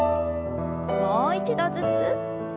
もう一度ずつ。